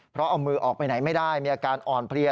เพราะเอามือออกไปไหนไม่ได้มีอาการอ่อนเพลีย